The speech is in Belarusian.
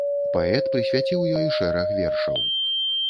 Паэт прысвяціў ёй шэраг вершаў.